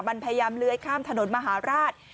มันพยายามเลื้อยข้ามถนนมหาราช